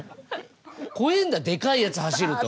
怖えんだデカいやつ走ると。